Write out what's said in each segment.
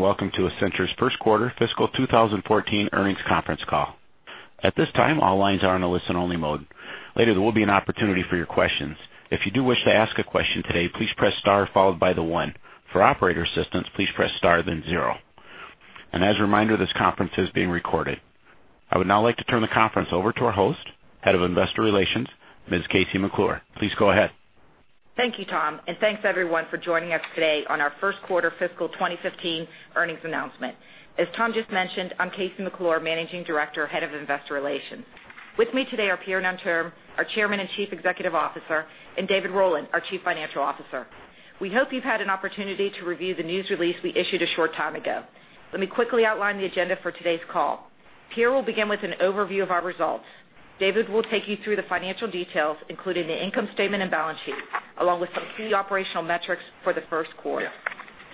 Welcome to Accenture's first quarter fiscal 2015 earnings conference call. At this time, all lines are on a listen-only mode. Later, there will be an opportunity for your questions. If you do wish to ask a question today, please press star followed by the one. For operator assistance, please press star, then zero. As a reminder, this conference is being recorded. I would now like to turn the conference over to our host, Head of Investor Relations, Ms. KC McClure. Please go ahead. Thank you, Tom, and thanks, everyone, for joining us today on our first quarter fiscal 2015 earnings announcement. As Tom just mentioned, I'm KC McClure, Managing Director, Head of Investor Relations. With me today are Pierre Nanterme, our Chairman and Chief Executive Officer, and David Rowland, our Chief Financial Officer. We hope you've had an opportunity to review the news release we issued a short time ago. Let me quickly outline the agenda for today's call. Pierre will begin with an overview of our results. David will take you through the financial details, including the income statement and balance sheet, along with some key operational metrics for the first quarter.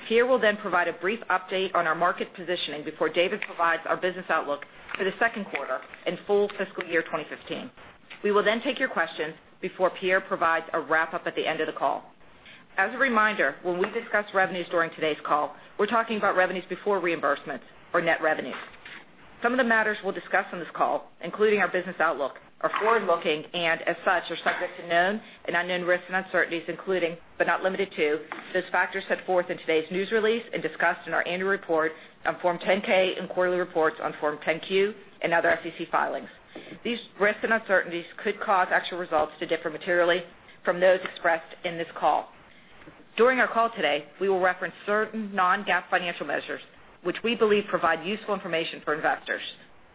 Pierre will provide a brief update on our market positioning before David provides our business outlook for the second quarter and full fiscal year 2015. We will take your questions before Pierre provides a wrap-up at the end of the call. As a reminder, when we discuss revenues during today's call, we're talking about revenues before reimbursements or net revenues. Some of the matters we'll discuss on this call, including our business outlook, are forward-looking and as such are subject to known and unknown risks and uncertainties including, but not limited to, those factors set forth in today's news release and discussed in our annual report on Form 10-K and quarterly reports on Form 10-Q and other SEC filings. These risks and uncertainties could cause actual results to differ materially from those expressed in this call. During our call today, we will reference certain non-GAAP financial measures, which we believe provide useful information for investors.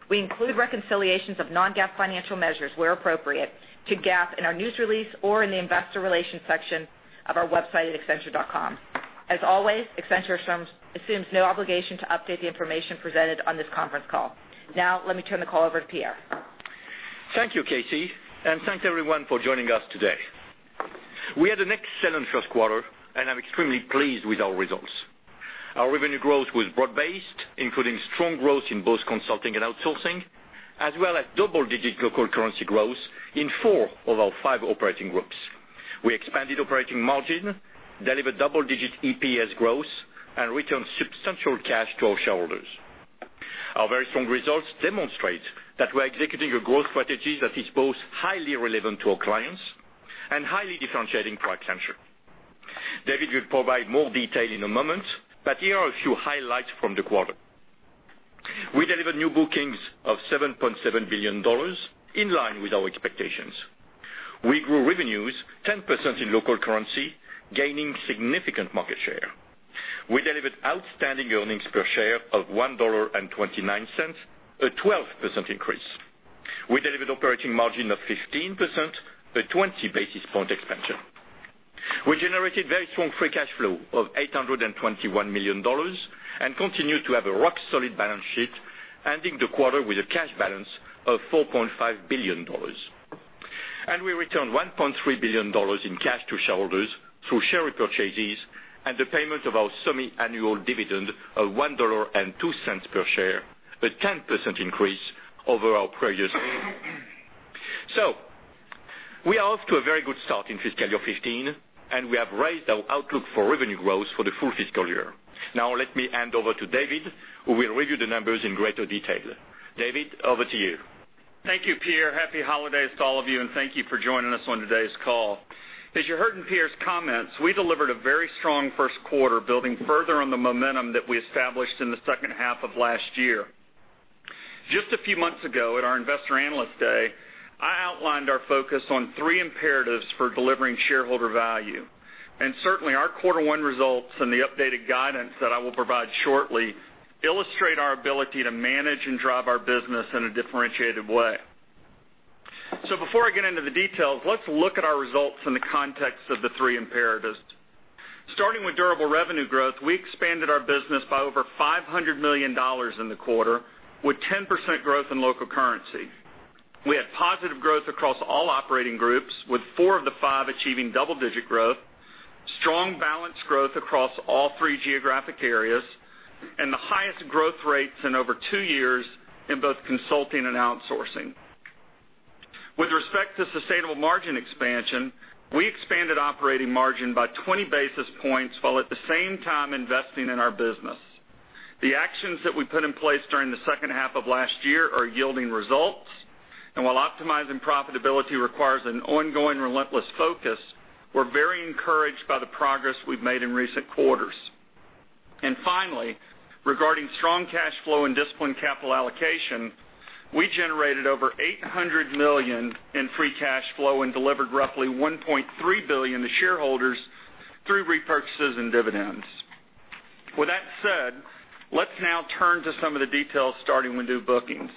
We include reconciliations of non-GAAP financial measures where appropriate to GAAP in our news release or in the investor relations section of our website at accenture.com. As always, Accenture assumes no obligation to update the information presented on this conference call. Let me turn the call over to Pierre. Thank you, KC, and thanks, everyone, for joining us today. We had an excellent first quarter, and I'm extremely pleased with our results. Our revenue growth was broad-based, including strong growth in both consulting and outsourcing, as well as double-digit local currency growth in four of our five operating groups. We expanded operating margin, delivered double-digit EPS growth, and returned substantial cash to our shareholders. Our very strong results demonstrate that we're executing a growth strategy that is both highly relevant to our clients and highly differentiating for Accenture. David will provide more detail in a moment, but here are a few highlights from the quarter. We delivered new bookings of $7.7 billion in line with our expectations. We grew revenues 10% in local currency, gaining significant market share. We delivered outstanding earnings per share of $1.29, a 12% increase. We delivered operating margin of 15%, a 20 basis point expansion. We generated very strong free cash flow of $821 million and continued to have a rock-solid balance sheet, ending the quarter with a cash balance of $4.5 billion. We returned $1.3 billion in cash to shareholders through share repurchases and the payment of our semi-annual dividend of $1.02 per share, a 10% increase over our previous year. We are off to a very good start in fiscal year 2015, and we have raised our outlook for revenue growth for the full fiscal year. Now let me hand over to David, who will review the numbers in greater detail. David, over to you. Thank you, Pierre. Happy holidays to all of you, and thank you for joining us on today's call. As you heard in Pierre's comments, we delivered a very strong first quarter building further on the momentum that we established in the second half of last year. Just a few months ago at our Investor and Analyst Day, I outlined our focus on three imperatives for delivering shareholder value. Certainly our Quarter 1 results and the updated guidance that I will provide shortly illustrate our ability to manage and drive our business in a differentiated way. Before I get into the details, let's look at our results in the context of the three imperatives. Starting with durable revenue growth, we expanded our business by over $500 million in the quarter with 10% growth in local currency. We had positive growth across all operating groups, with four of the five achieving double-digit growth, strong balanced growth across all three geographic areas, and the highest growth rates in over two years in both consulting and outsourcing. With respect to sustainable margin expansion, we expanded operating margin by 20 basis points while at the same time investing in our business. The actions that we put in place during the second half of last year are yielding results. While optimizing profitability requires an ongoing relentless focus, we're very encouraged by the progress we've made in recent quarters. Finally, regarding strong cash flow and disciplined capital allocation, we generated over $800 million in free cash flow and delivered roughly $1.3 billion to shareholders through repurchases and dividends. With that said, let's now turn to some of the details starting with new bookings.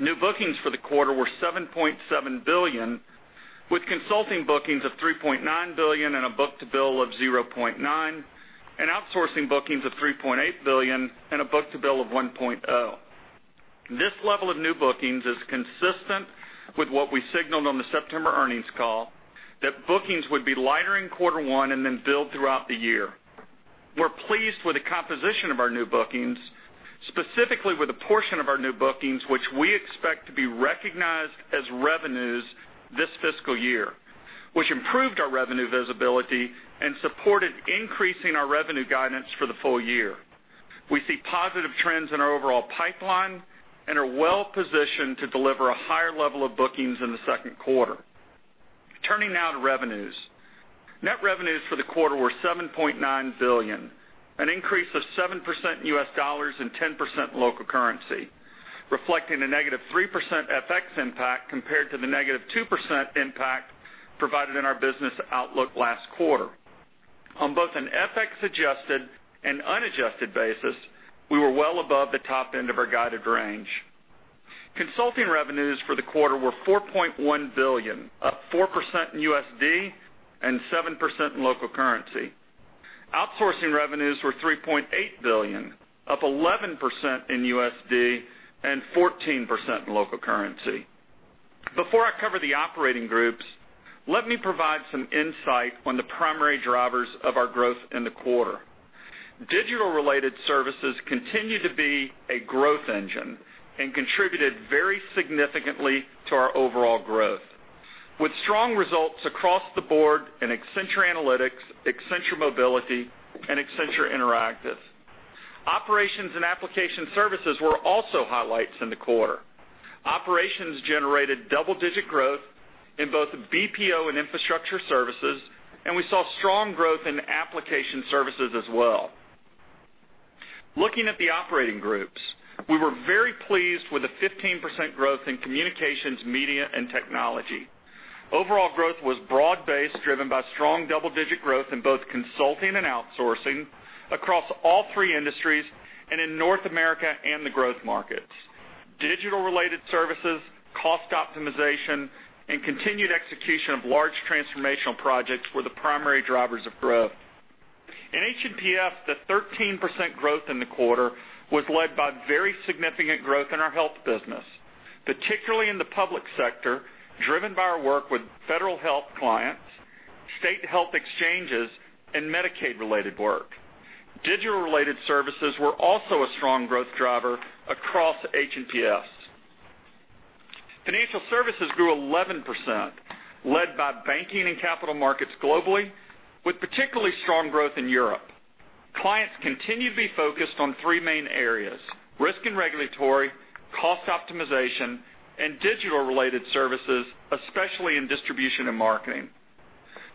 New bookings for the quarter were $7.7 billion, with consulting bookings of $3.9 billion and a book-to-bill of 0.9, and outsourcing bookings of $3.8 billion and a book-to-bill of 1.0. This level of new bookings is consistent with what we signaled on the September earnings call that bookings would be lighter in Quarter 1 and then build throughout the year. We're pleased with the composition of our new bookings. Specifically with a portion of our new bookings, which we expect to be recognized as revenues this fiscal year, which improved our revenue visibility and supported increasing our revenue guidance for the full year. We see positive trends in our overall pipeline and are well-positioned to deliver a higher level of bookings in the second quarter. Turning now to revenues. Net revenues for the quarter were $7.9 billion, an increase of 7% in US dollars and 10% in local currency, reflecting a negative 3% FX impact compared to the negative 2% impact provided in our business outlook last quarter. On both an FX adjusted and unadjusted basis, we were well above the top end of our guided range. Consulting revenues for the quarter were $4.1 billion, up 4% in USD and 7% in local currency. Outsourcing revenues were $3.8 billion, up 11% in USD and 14% in local currency. Before I cover the operating groups, let me provide some insight on the primary drivers of our growth in the quarter. Digital-related services continue to be a growth engine and contributed very significantly to our overall growth, with strong results across the board in Accenture Analytics, Accenture Mobility, and Accenture Interactive. Operations and application services were also highlights in the quarter. Operations generated double-digit growth in both BPO and infrastructure services, and we saw strong growth in application services as well. Looking at the operating groups, we were very pleased with the 15% growth in communications, media, and technology. Overall growth was broad-based, driven by strong double-digit growth in both consulting and outsourcing across all three industries and in North America and the growth markets. Digital-related services, cost optimization, and continued execution of large transformational projects were the primary drivers of growth. In H&PS, the 13% growth in the quarter was led by very significant growth in our health business, particularly in the public sector, driven by our work with federal health clients, state health exchanges, and Medicaid-related work. Digital-related services were also a strong growth driver across H&PS. Financial services grew 11%, led by banking and capital markets globally, with particularly strong growth in Europe. Clients continue to be focused on three main areas: risk and regulatory, cost optimization, and digital-related services, especially in distribution and marketing.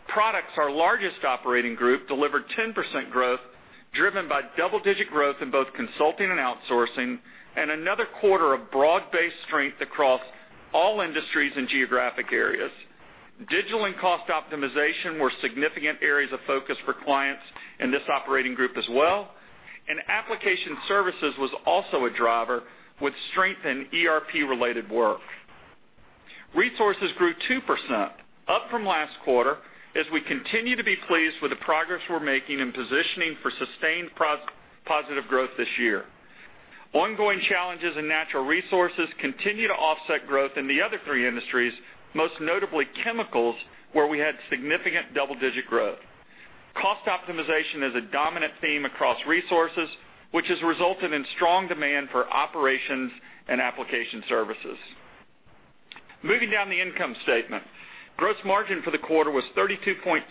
Products, our largest operating group, delivered 10% growth, driven by double-digit growth in both consulting and outsourcing, and another quarter of broad-based strength across all industries and geographic areas. Digital and cost optimization were significant areas of focus for clients in this operating group as well, and application services was also a driver with strength in ERP-related work. Resources grew 2%, up from last quarter, as we continue to be pleased with the progress we're making in positioning for sustained positive growth this year. Ongoing challenges in natural resources continue to offset growth in the other three industries, most notably chemicals, where we had significant double-digit growth. Cost optimization is a dominant theme across resources, which has resulted in strong demand for operations and application services. Moving down the income statement. Gross margin for the quarter was 32.2%,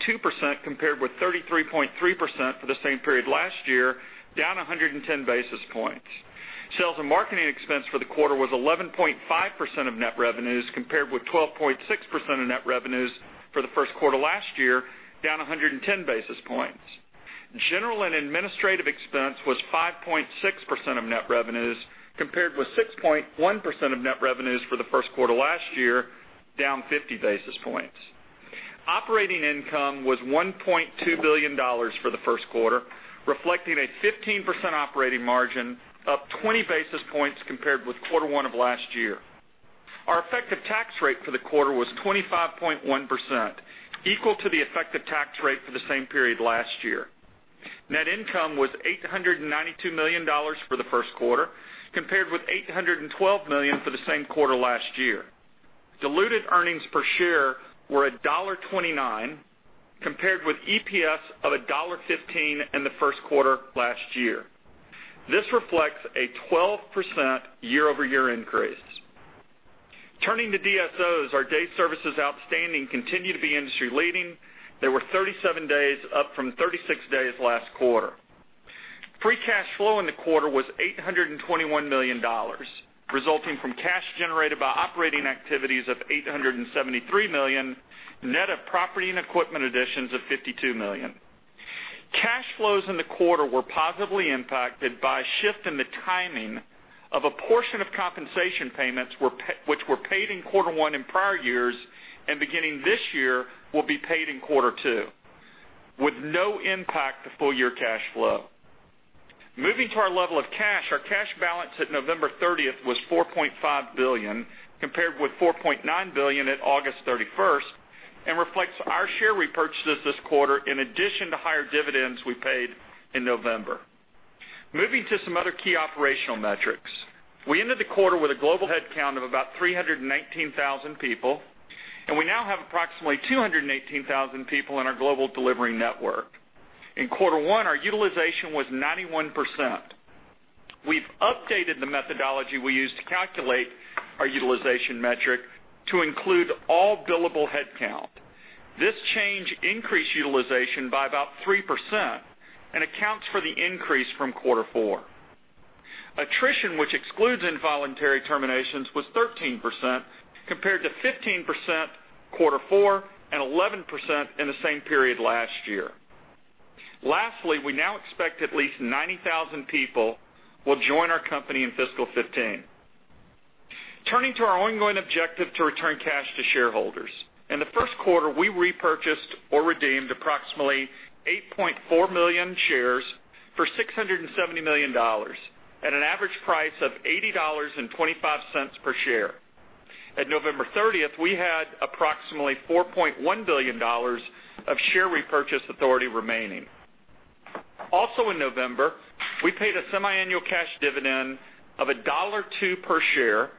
compared with 33.3% for the same period last year, down 110 basis points. Sales and marketing expense for the quarter was 11.5% of net revenues, compared with 12.6% of net revenues for the first quarter last year, down 110 basis points. General and administrative expense was 5.6% of net revenues, compared with 6.1% of net revenues for the first quarter last year, down 50 basis points. Operating income was $1.2 billion for the first quarter, reflecting a 15% operating margin, up 20 basis points compared with quarter one of last year. Our effective tax rate for the quarter was 25.1%, equal to the effective tax rate for the same period last year. Net income was $892 million for the first quarter, compared with $812 million for the same quarter last year. Diluted earnings per share were $1.29, compared with EPS of $1.15 in the first quarter last year. This reflects a 12% year-over-year increase. Turning to DSOs, our Days Sales Outstanding continue to be industry-leading. They were 37 days, up from 36 days last quarter. Free cash flow in the quarter was $821 million, resulting from cash generated by operating activities of $873 million, net of property and equipment additions of $52 million. Cash flows in the quarter were positively impacted by a shift in the timing of a portion of compensation payments which were paid in quarter one in prior years, and beginning this year, will be paid in quarter two with no impact to full-year cash flow. Moving to our level of cash, our cash balance at November 30th was $4.5 billion, compared with $4.9 billion at August 31st and reflects our share repurchases this quarter, in addition to higher dividends we paid in November. Moving to some other key operational metrics. We ended the quarter with a global headcount of about 319,000 people, and we now have approximately 218,000 people in our global delivery network. In quarter one, our utilization was 91%. We've updated the methodology we use to calculate our utilization metric to include all billable headcount. This change increased utilization by about 3% and accounts for the increase from quarter four. Attrition, which excludes involuntary terminations, was 13% compared to 15% quarter four and 11% in the same period last year. Lastly, we now expect at least 90,000 people will join our company in fiscal 2015. Turning to our ongoing objective to return cash to shareholders. In the first quarter, we repurchased or redeemed approximately 8.4 million shares for $670 million at an average price of $80.25 per share. At November 30th, we had approximately $4.1 billion of share repurchase authority remaining. In November, we paid a semiannual cash dividend of $1.02 per share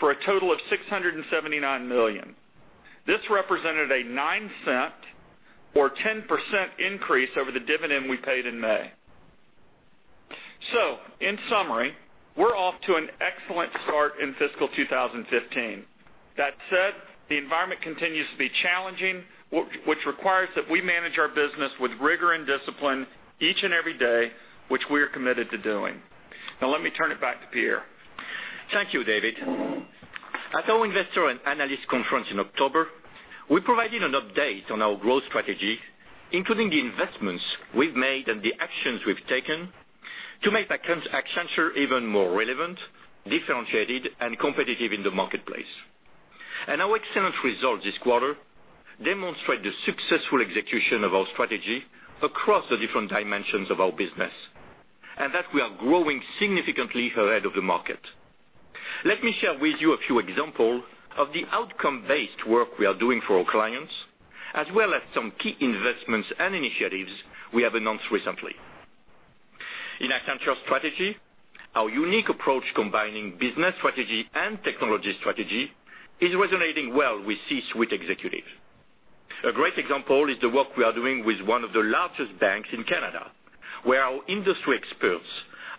for a total of $679 million. This represented a $0.09 or 10% increase over the dividend we paid in May. In summary, we're off to an excellent start in fiscal 2015. That said, the environment continues to be challenging, which requires that we manage our business with rigor and discipline each and every day, which we are committed to doing. Now let me turn it back to Pierre. Thank you, David. At our Investor and Analyst conference in October, we provided an update on our growth strategy, including the investments we've made and the actions we've taken to make Accenture even more relevant, differentiated, and competitive in the marketplace. Our excellent results this quarter demonstrate the successful execution of our strategy across the different dimensions of our business, and that we are growing significantly ahead of the market. Let me share with you a few example of the outcome-based work we are doing for our clients, as well as some key investments and initiatives we have announced recently. In Accenture Strategy, our unique approach combining business strategy and technology strategy is resonating well with C-suite executives. A great example is the work we are doing with one of the largest banks in Canada, where our industry experts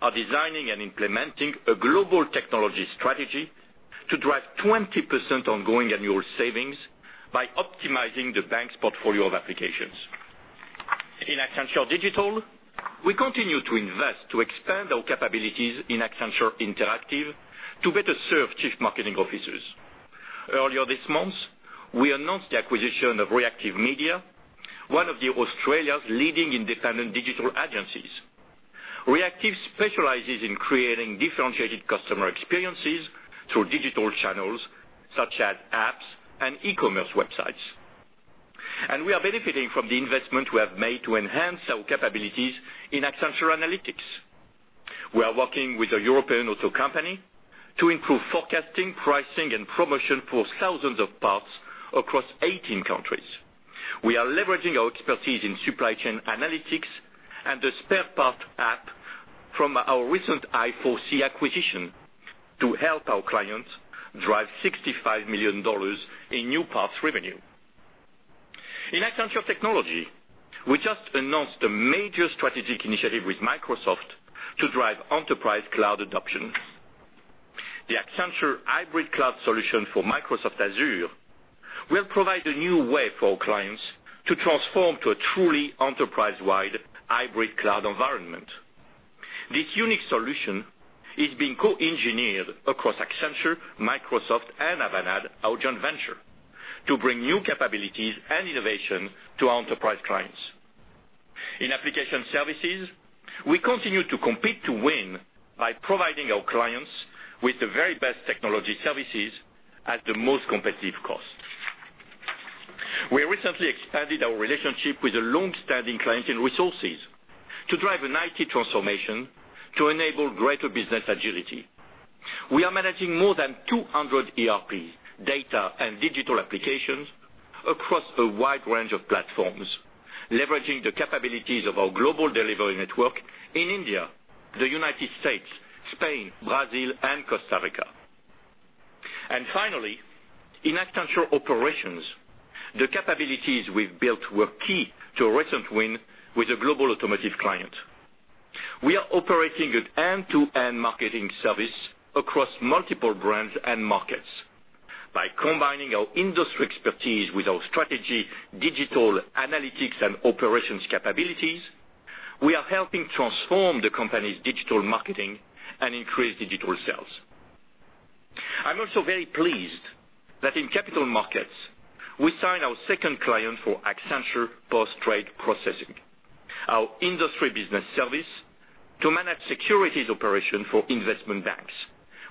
are designing and implementing a global technology strategy to drive 20% ongoing annual savings by optimizing the bank's portfolio of applications. In Accenture Digital, we continue to invest to expand our capabilities in Accenture Interactive to better serve chief marketing officers. Earlier this month, we announced the acquisition of Reactive Media, one of Australia's leading independent digital agencies. Reactive specializes in creating differentiated customer experiences through digital channels such as apps and e-commerce websites. We are benefiting from the investment we have made to enhance our capabilities in Accenture Analytics. We are working with a European auto company to improve forecasting, pricing, and promotion for thousands of parts across 18 countries. We are leveraging our expertise in supply chain analytics and the spare parts app from our recent i4C acquisition to help our clients drive $65 million in new parts revenue. In Accenture Technology, we just announced a major strategic initiative with Microsoft to drive enterprise cloud adoption. The Accenture Hybrid Cloud solution for Microsoft Azure will provide a new way for our clients to transform to a truly enterprise-wide hybrid cloud environment. This unique solution is being co-engineered across Accenture, Microsoft, and Avanade, our joint venture, to bring new capabilities and innovation to our enterprise clients. In Application Services, we continue to compete to win by providing our clients with the very best technology services at the most competitive cost. We recently expanded our relationship with a longstanding client in resources to drive an IT transformation to enable greater business agility. We are managing more than 200 ERP data and digital applications across a wide range of platforms, leveraging the capabilities of our global delivery network in India, the United States, Spain, Brazil, and Costa Rica. Finally, in Accenture Operations, the capabilities we've built were key to a recent win with a global automotive client. We are operating an end-to-end marketing service across multiple brands and markets. By combining our industry expertise with our strategy, digital analytics, and operations capabilities, we are helping transform the company's digital marketing and increase digital sales. I'm also very pleased that in capital markets, we signed our second client for Accenture Post-Trade Processing, our industry business service to manage securities operation for investment banks,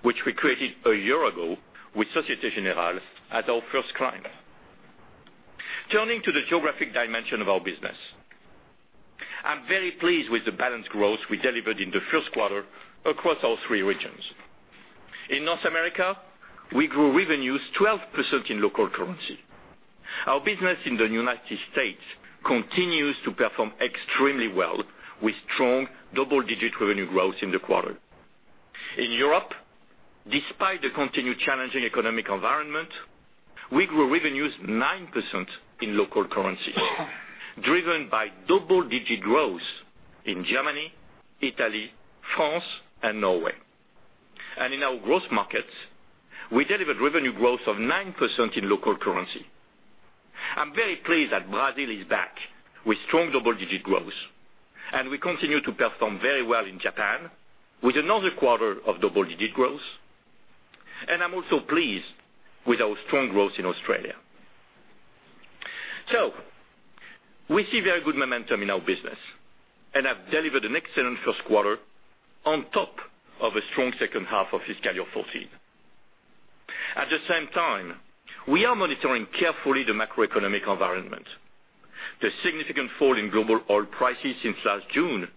which we created a year ago with Societe Generale as our first client. Turning to the geographic dimension of our business. I'm very pleased with the balanced growth we delivered in the first quarter across all three regions. In North America, we grew revenues 12% in local currency. Our business in the United States continues to perform extremely well with strong double-digit revenue growth in the quarter. In Europe, despite the continued challenging economic environment, we grew revenues 9% in local currency, driven by double-digit growth in Germany, Italy, France, and Norway. In our growth markets, we delivered revenue growth of 9% in local currency. I'm very pleased that Brazil is back with strong double-digit growth, and we continue to perform very well in Japan with another quarter of double-digit growth. I'm also pleased with our strong growth in Australia. We see very good momentum in our business and have delivered an excellent first quarter on top of a strong second half of fiscal year 2014. At the same time, we are monitoring carefully the macroeconomic environment. The significant fall in global oil prices since last June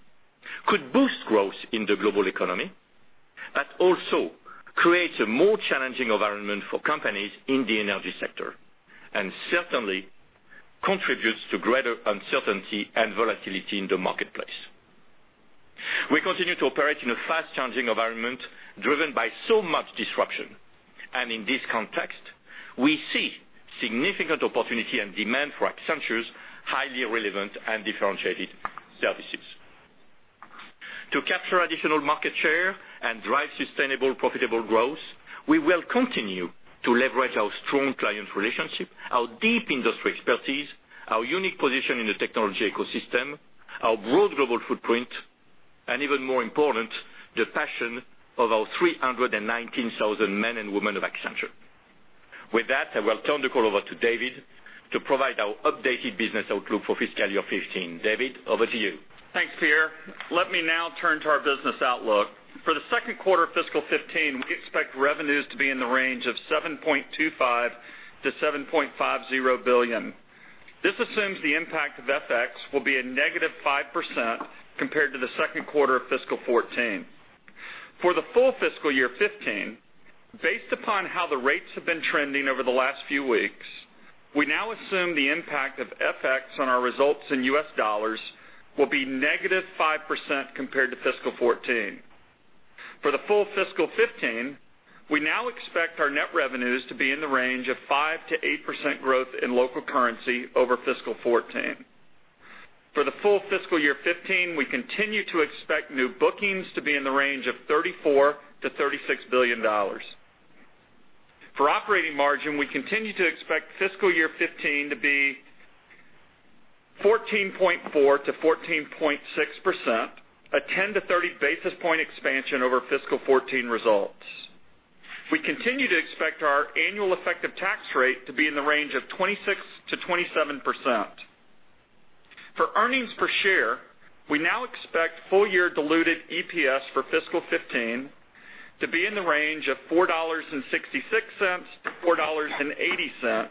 could boost growth in the global economy, but also creates a more challenging environment for companies in the energy sector, and certainly contributes to greater uncertainty and volatility in the marketplace. We continue to operate in a fast-changing environment driven by so much disruption. In this context, we see significant opportunity and demand for Accenture's highly relevant and differentiated services. To capture additional market share and drive sustainable, profitable growth, we will continue to leverage our strong client relationship, our deep industry expertise, our unique position in the technology ecosystem, our broad global footprint, and even more important, the passion of our 319,000 men and women of Accenture. With that, I will turn the call over to David to provide our updated business outlook for fiscal year 2015. David, over to you. Thanks, Pierre. Let me now turn to our business outlook. For the second quarter of fiscal 2015, we expect revenues to be in the range of $7.25 billion-$7.50 billion. This assumes the impact of FX will be a negative 5% compared to the second quarter of fiscal 2014. For the full fiscal year 2015, based upon how the rates have been trending over the last few weeks, we now assume the impact of FX on our results in US dollars will be negative 5% compared to fiscal 2014. For the full fiscal 2015, we now expect our net revenues to be in the range of 5%-8% growth in local currency over fiscal 2014. For the full fiscal year 2015, we continue to expect new bookings to be in the range of $34 billion-$36 billion. For operating margin, we continue to expect fiscal year 2015 to be 14.4%-14.6%, a 10 to 30 basis point expansion over fiscal 2014 results. We continue to expect our annual effective tax rate to be in the range of 26%-27%. For earnings per share, we now expect full year diluted EPS for fiscal 2015 to be in the range of $4.66-$4.80,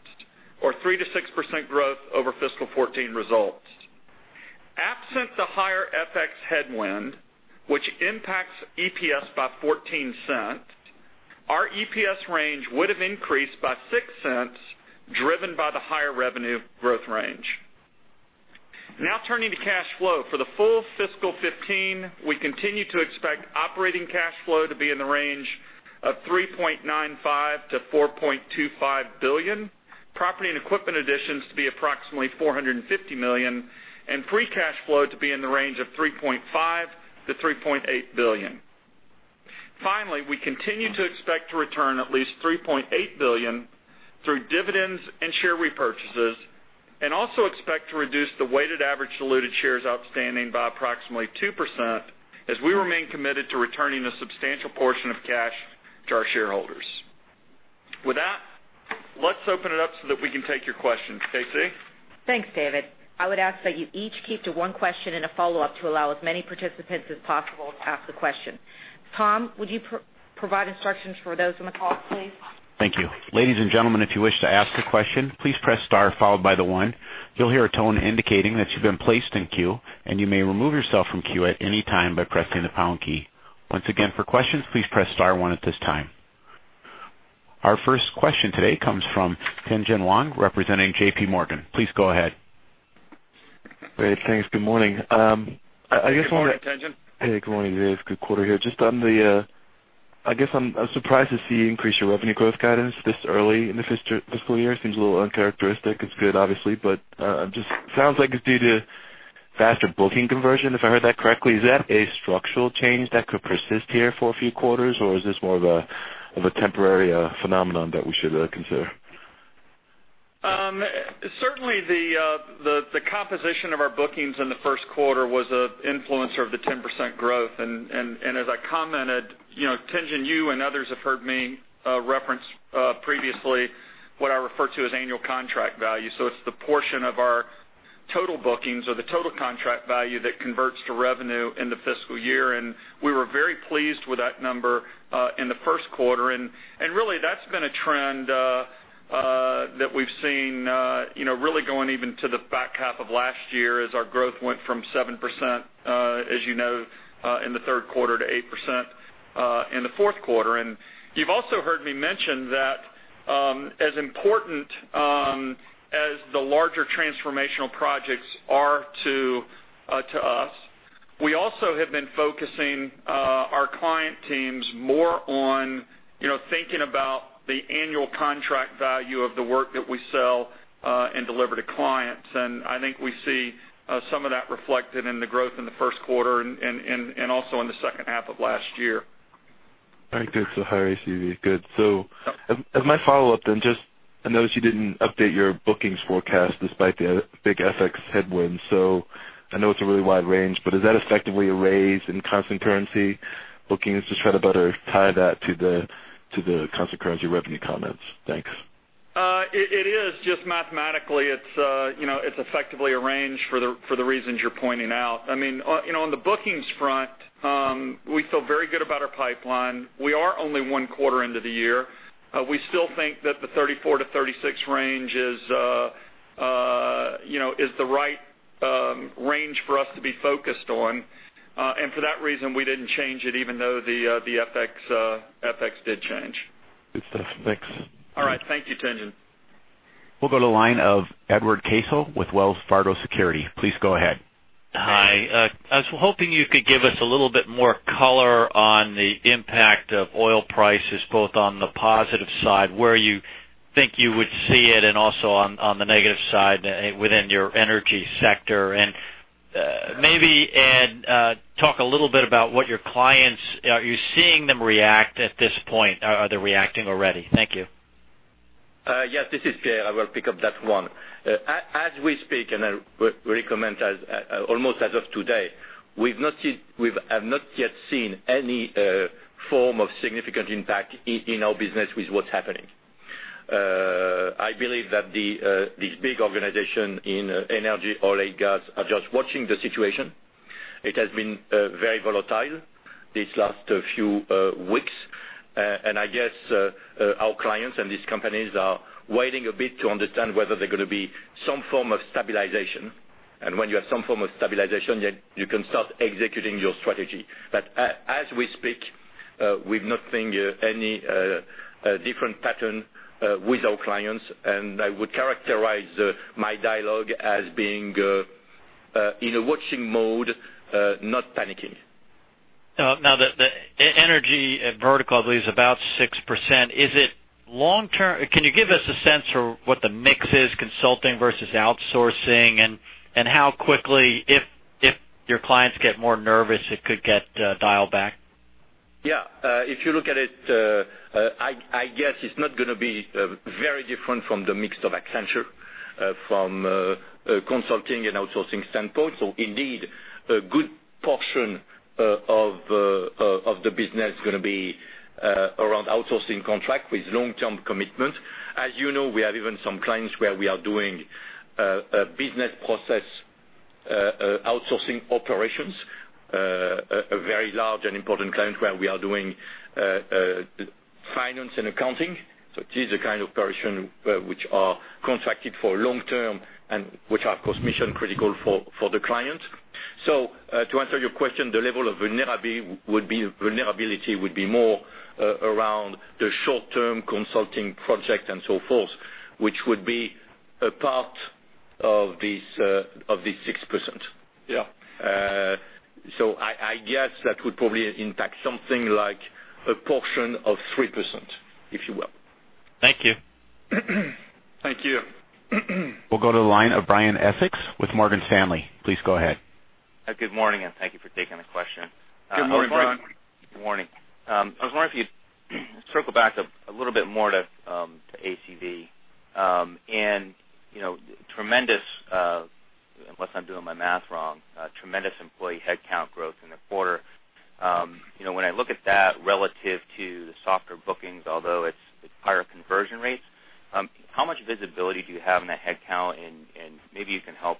or 3%-6% growth over fiscal 2014 results. Absent the higher FX headwind, which impacts EPS by $0.14, our EPS range would have increased by $0.06, driven by the higher revenue growth range. Turning to cash flow. For the full fiscal 2015, we continue to expect operating cash flow to be in the range of $3.95 billion-$4.25 billion. Property and equipment additions to be approximately $450 million, and free cash flow to be in the range of $3.5 billion-$3.8 billion. Finally, we continue to expect to return at least $3.8 billion through dividends and share repurchases, and also expect to reduce the weighted average diluted shares outstanding by approximately 2% as we remain committed to returning a substantial portion of cash to our shareholders. With that, let's open it up so that we can take your questions. KC Thanks, David. I would ask that you each keep to one question and a follow-up to allow as many participants as possible to ask a question. Tom, would you provide instructions for those on the call, please? Thank you. Ladies and gentlemen, if you wish to ask a question, please press star followed by the one. You'll hear a tone indicating that you've been placed in queue, and you may remove yourself from queue at any time by pressing the pound key. Once again, for questions, please press star one at this time. Our first question today comes from Tien-Tsin Huang, representing J.P. Morgan. Please go ahead. Great. Thanks. Good morning. Good morning, Tien-Tsin. Hey, good morning to you. It's a good quarter here. I guess I'm surprised to see you increase your revenue growth guidance this early in the fiscal year. It seems a little uncharacteristic. It's good, obviously, but just sounds like it's due to faster booking conversion, if I heard that correctly. Is that a structural change that could persist here for a few quarters, or is this more of a temporary phenomenon that we should consider? Certainly, the composition of our bookings in the first quarter was an influencer of the 10% growth. As I commented, Tien-Tsin, you and others have heard me reference previously what I refer to as annual contract value. It's the portion of our total bookings or the total contract value that converts to revenue in the fiscal year, and we were very pleased with that number in the first quarter. Really, that's been a trend that we've seen really going even to the back half of last year as our growth went from 7%, as you know, in the third quarter, to 8% in the fourth quarter. You've also heard me mention that, as important as the larger transformational projects are to us, we also have been focusing our client teams more on thinking about the annual contract value of the work that we sell and deliver to clients. I think we see some of that reflected in the growth in the first quarter and also in the second half of last year. All right, good. Higher ACV. Good. As my follow-up then, I notice you didn't update your bookings forecast despite the big FX headwinds. I know it's a really wide range, but is that effectively a raise in constant currency bookings? Just try to better tie that to the constant currency revenue comments. Thanks. It is. Just mathematically, it's effectively a range for the reasons you're pointing out. On the bookings front, we feel very good about our pipeline. We are only one quarter into the year. We still think that the 34-36 range is the right range for us to be focused on. For that reason, we didn't change it even though the FX did change. Good stuff. Thanks. All right. Thank you, Tien-Tsin. We'll go to the line of Edward Caso with Wells Fargo Securities. Please go ahead. Hi. I was hoping you could give us a little bit more color on the impact of oil prices, both on the positive side, where you think you would see it, also on the negative side within your energy sector. Maybe, Ed, talk a little bit about what your clients, are you seeing them react at this point? Are they reacting already? Thank you. Yes, this is Pierre. I will pick up that one. As we speak, I recommend almost as of today, we have not yet seen any form of significant impact in our business with what's happening. I believe that these big organization in energy, oil, and gas are just watching the situation. It has been very volatile these last few weeks. I guess our clients and these companies are waiting a bit to understand whether there're going to be some form of stabilization. When you have some form of stabilization, you can start executing your strategy. As we speak, we've not seen any different pattern with our clients, and I would characterize my dialogue as being in a watching mode, not panicking. The energy vertical, I believe, is about 6%. Can you give us a sense for what the mix is, consulting versus outsourcing? How quickly, if your clients get more nervous, it could get dialed back? Yeah. If you look at it, I guess it's not going to be very different from the mix of Accenture from a consulting and outsourcing standpoint. Indeed, a good portion of the business is going to be around outsourcing contract with long-term commitment. As you know, we have even some clients where we are doing business process outsourcing operations. A very large and important client where we are doing finance and accounting. It is a kind of portion which are contracted for long-term and which are, of course, mission-critical for the client. To answer your question, the level of vulnerability would be more around the short-term consulting project and so forth, which would be a part of this 6%. Yeah. I guess that would probably impact something like a portion of 3%, if you will. Thank you. Thank you. We'll go to the line of Brian Essex with Morgan Stanley. Please go ahead. Good morning, thank you for taking the question. Good morning, Brian. Good morning. I was wondering if you'd circle back a little bit more to ACV. Unless I'm doing my math wrong, tremendous employee headcount growth in the quarter. When I look at that relative to the softer bookings, although it's higher conversion rates, how much visibility do you have in the headcount? Maybe you can help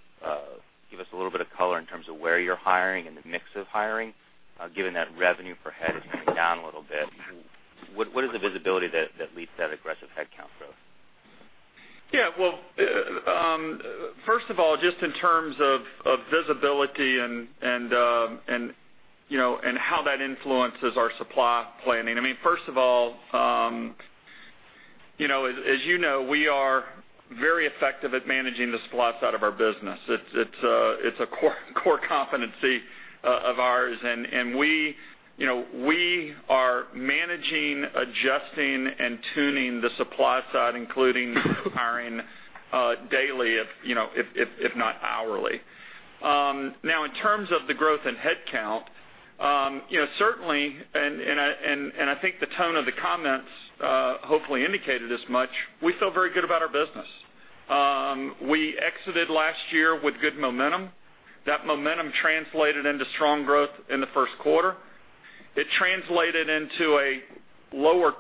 give us a little bit of color in terms of where you're hiring and the mix of hiring, given that revenue per head is down a little bit. What is the visibility that leads that aggressive headcount growth? Yeah. First of all, just in terms of visibility and how that influences our supply planning. First of all, as you know, we are very effective at managing the supply side of our business. It's a core competency of ours, and we are managing, adjusting, and tuning the supply side, including hiring daily, if not hourly. In terms of the growth in headcount, certainly, and I think the tone of the comments hopefully indicated as much, we feel very good about our business. We exited last year with good momentum. That momentum translated into strong growth in the first quarter. It translated into a lower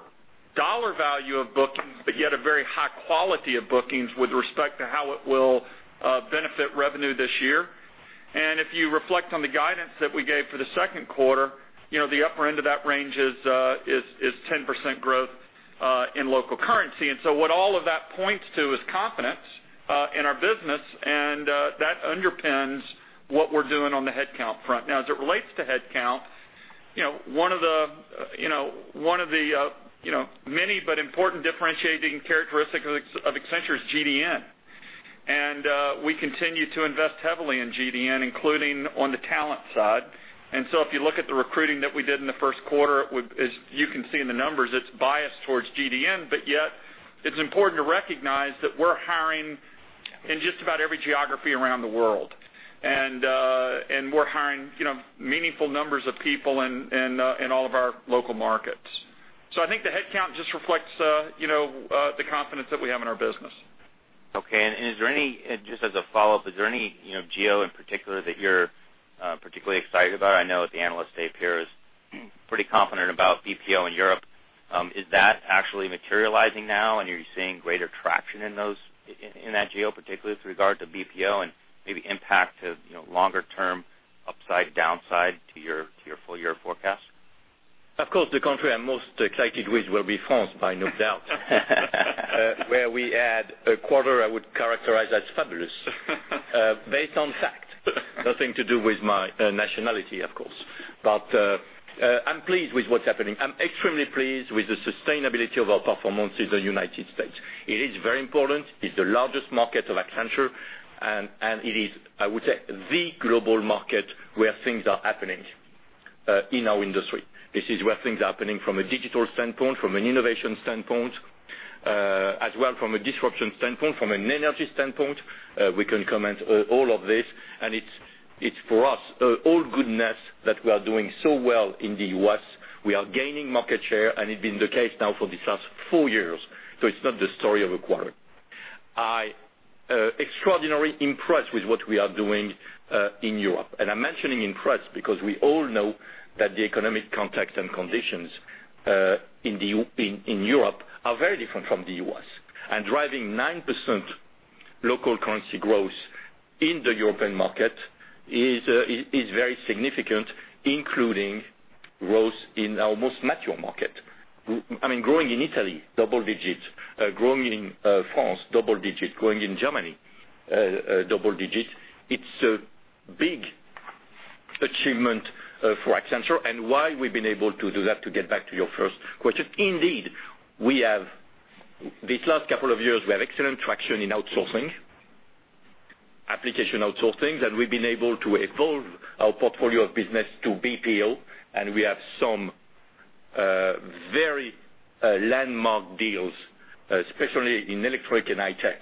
dollar value of bookings, but yet a very high quality of bookings with respect to how it will benefit revenue this year. If you reflect on the guidance that we gave for the second quarter, the upper end of that range is 10% growth in local currency. What all of that points to is confidence in our business, and that underpins what we're doing on the headcount front. As it relates to headcount, one of the many but important differentiating characteristics of Accenture is GDN. We continue to invest heavily in GDN, including on the talent side. If you look at the recruiting that we did in the first quarter, as you can see in the numbers, it's biased towards GDN, but yet it's important to recognize that we're hiring in just about every geography around the world. We're hiring meaningful numbers of people in all of our local markets. I think the headcount just reflects the confidence that we have in our business. Just as a follow-up, is there any geo in particular that you're particularly excited about? I know at the Investor and Analyst Day, Pierre is pretty confident about BPO in Europe. Is that actually materializing now, and are you seeing greater traction in that geo, particularly with regard to BPO and maybe impact to longer-term upside, downside to your full-year forecast? Of course, the country I'm most excited with will be France, by no doubt. We had a quarter I would characterize as fabulous. Based on fact. Nothing to do with my nationality, of course. I'm pleased with what's happening. I'm extremely pleased with the sustainability of our performance in the United States. It is very important. It's the largest market of Accenture, and it is, I would say, the global market where things are happening in our industry. This is where things are happening from a digital standpoint, from an innovation standpoint, as well from a disruption standpoint, from an energy standpoint. We can comment all of this, and it's for us, all goodness that we are doing so well in the U.S. We are gaining market share, and it's been the case now for these last four years, it's not the story of a quarter. I'm extraordinarily impressed with what we are doing in Europe. I'm mentioning impressed because we all know that the economic context and conditions in Europe are very different from the U.S. Driving 9% local currency growth in the European market is very significant, including growth in our most mature market. Growing in Italy, double digits. Growing in France, double digits. Growing in Germany, double digits. It's a big achievement for Accenture. Why we've been able to do that, to get back to your first question. Indeed, these last couple of years, we have excellent traction in outsourcing, application outsourcing, and we've been able to evolve our portfolio of business to BPO, and we have some very landmark deals, especially in electric and high tech,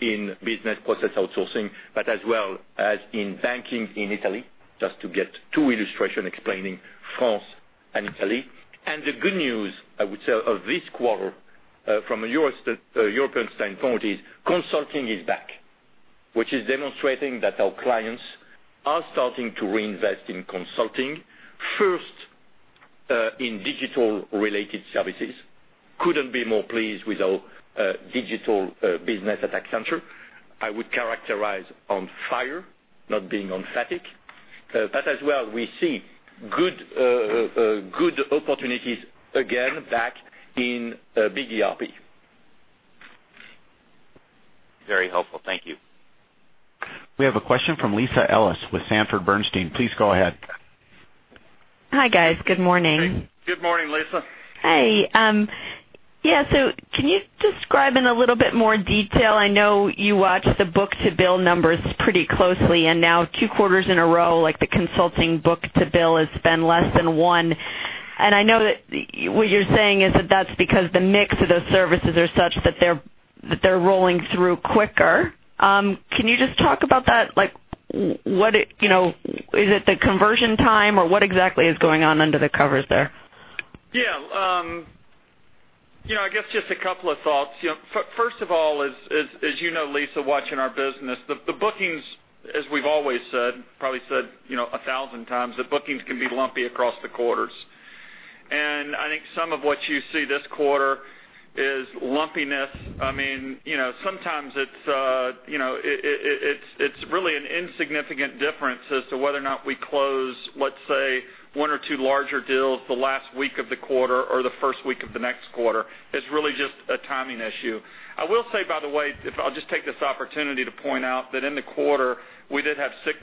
in business process outsourcing, but as well as in banking in Italy, just to get two illustrations explaining France and Italy. The good news, I would say, of this quarter from a European standpoint is consulting is back, which is demonstrating that our clients are starting to reinvest in consulting. First, in digital related services. Couldn't be more pleased with our digital business at Accenture. I would characterize on fire, not being emphatic. As well, we see good opportunities again back in big ERP. Very helpful. Thank you. We have a question from Lisa Ellis with Sanford C. Bernstein. Please go ahead. Hi, guys. Good morning. Good morning, Lisa. Hey. Can you describe in a little bit more detail, I know you watch the book-to-bill numbers pretty closely, and now two quarters in a row, like the consulting book-to-bill has been less than one. I know that what you're saying is that that's because the mix of those services are such that they're rolling through quicker. Can you just talk about that? Is it the conversion time, or what exactly is going on under the covers there? Yeah. I guess just a couple of thoughts. First of all, as you know, Lisa, watching our business, the bookings, as we've always said, probably said 1,000 times, the bookings can be lumpy across the quarters. I think some of what you see this quarter is lumpiness. Sometimes it's really an insignificant difference as to whether or not we close, let's say, one or two larger deals the last week of the quarter or the first week of the next quarter. It's really just a timing issue. I will say, by the way, if I'll just take this opportunity to point out that in the quarter, we did have six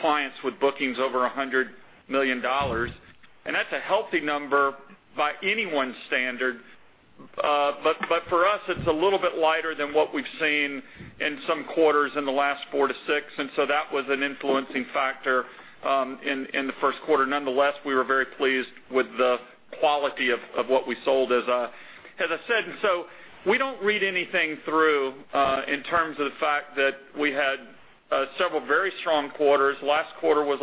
clients with bookings over $100 million. That's a healthy number by anyone's standard. For us, it's a little bit lighter than what we've seen in some quarters in the last four to six, and so that was an influencing factor in the first quarter. Nonetheless, we were very pleased with the quality of what we sold, as I said. We don't read anything through in terms of the fact that we had several very strong quarters. Last quarter was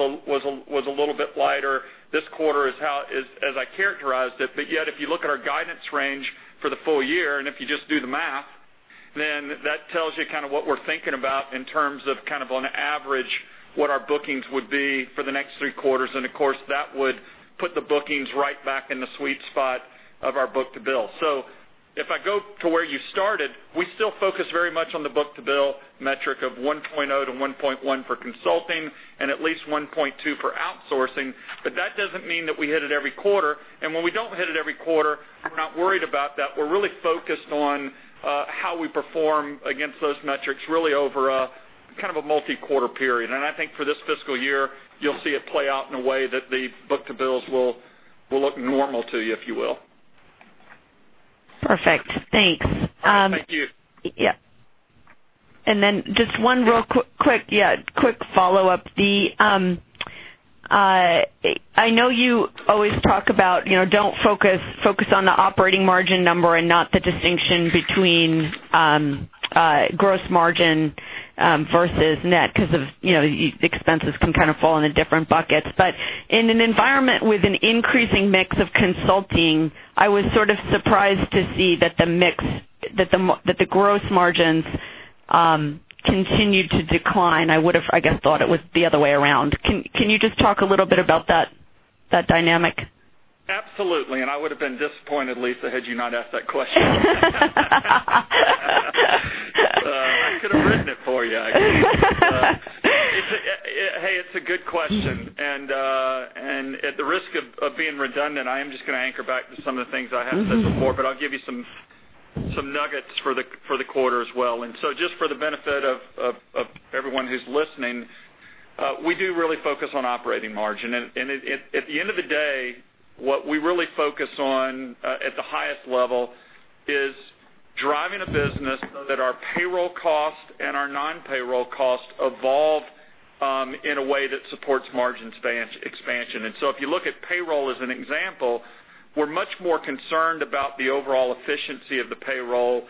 a little bit lighter. This quarter as I characterized it. If you look at our guidance range for the full year, and if you just do the math, then that tells you what we're thinking about in terms of an average, what our bookings would be for the next three quarters. That would put the bookings right back in the sweet spot of our book-to-bill. If I go to where you started, we still focus very much on the book-to-bill metric of 1.0 to 1.1 for consulting and at least 1.2 for outsourcing. That doesn't mean that we hit it every quarter. When we don't hit it every quarter, we're not worried about that. We're really focused on how we perform against those metrics, really over a multi-quarter period. I think for this fiscal year, you'll see it play out in a way that the book-to-bills will look normal to you, if you will. Perfect. Thanks. Thank you. Yeah. Then just one real quick follow-up. I know you always talk about focus on the operating margin number and not the distinction between gross margin versus net, because the expenses can fall into different buckets. But in an environment with an increasing mix of consulting, I was sort of surprised to see that the gross margins continued to decline. I would have, I guess, thought it was the other way around. Can you just talk a little bit about that dynamic? Absolutely. I would have been disappointed, Lisa, had you not asked that question. I could have written it for you, I guess. Hey, it's a good question. At the risk of being redundant, I am just going to anchor back to some of the things I have said before, but I'll give you some nuggets for the quarter as well. Just for the benefit of everyone who's listening, we do really focus on operating margin. At the end of the day, what we really focus on, at the highest level, is driving a business so that our payroll cost and our non-payroll cost evolve in a way that supports margin expansion. If you look at payroll as an example, we're much more concerned about the overall efficiency of the payroll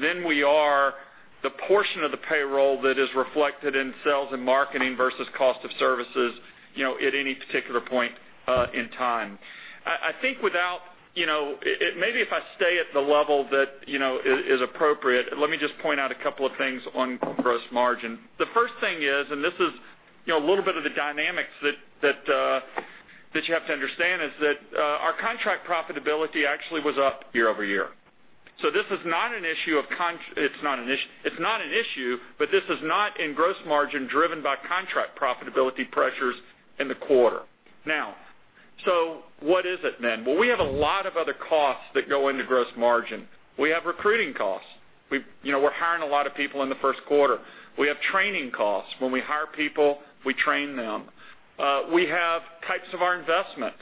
than we are the portion of the payroll that is reflected in sales and marketing versus cost of services at any particular point in time. Maybe if I stay at the level that is appropriate, let me just point out a couple of things on gross margin. The first thing is, and this is a little bit of the dynamics that you have to understand, is that our contract profitability actually was up year-over-year. This is not an issue, but this is not in gross margin driven by contract profitability pressures in the quarter. What is it then? We have a lot of other costs that go into gross margin. We have recruiting costs. We're hiring a lot of people in the first quarter. We have training costs. When we hire people, we train them. We have types of our investments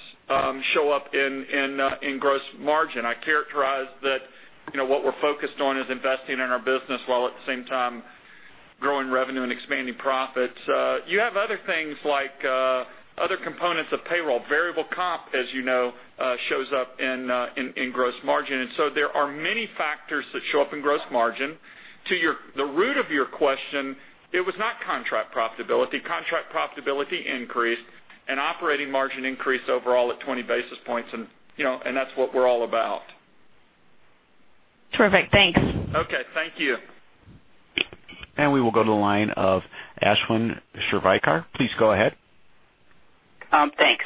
show up in gross margin. I characterize that what we're focused on is investing in our business while at the same time growing revenue and expanding profits. You have other things like other components of payroll. Variable comp, as you know, shows up in gross margin. There are many factors that show up in gross margin. To the root of your question, it was not contract profitability. Contract profitability increased and operating margin increased overall at 20 basis points, and that's what we're all about. Terrific. Thanks. Okay. Thank you. We will go to the line of Ashwin Shirvaikar. Please go ahead. Thanks.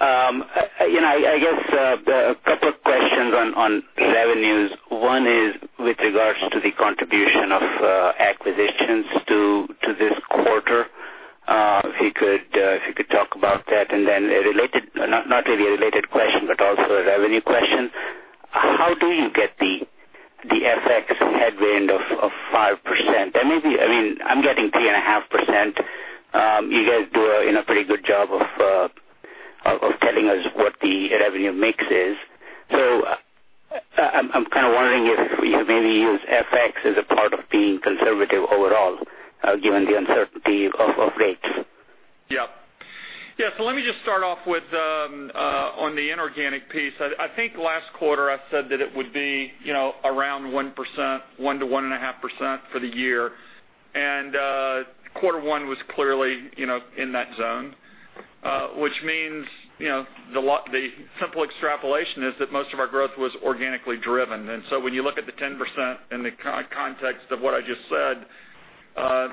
I guess a couple of questions on revenues. One is with regards to the contribution of acquisitions to this quarter. If you could talk about that, and then a related, not really a related question, but also a revenue question. How do you get the FX headwind of 5%? I'm getting 3.5%. You guys do a pretty good job of telling us what the revenue mix is. I'm kind of wondering if you maybe use FX as a part of being conservative overall given the uncertainty of rates. Yeah. Let me just start off on the inorganic piece. I think last quarter I said that it would be around 1% to 1.5% for the year. Quarter one was clearly in that zone, which means the simple extrapolation is that most of our growth was organically driven. When you look at the 10% in the context of what I just said,